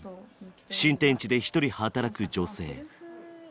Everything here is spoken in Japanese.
新天地で一人働く女性。